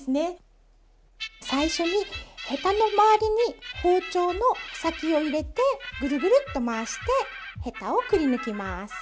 最初にヘタの周りに包丁の先を入れてぐるぐるっと回してヘタをくりぬきます。